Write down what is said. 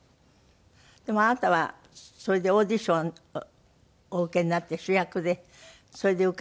でもあなたはそれでオーディションお受けになって主役でそれで受かって俳優になったんでしょ？